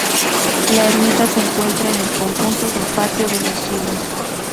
La ermita se encuentra en el conjunto del Patio de los Silos.